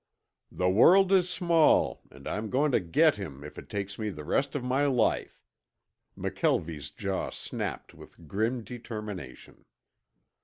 "The world is small, and I am going to get him if it takes me the rest of my life." McKelvie's jaw snapped with grim determination.